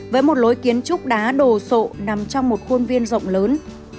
với một lối kiến trúc đá đồ sộ nằm trong một khuôn viên rộng lớn